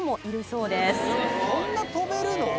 そんな飛べるの？